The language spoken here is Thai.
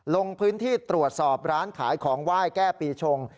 ลงพื้นที่ตรวจสอบร้านขายของไหว้แก้ปีชง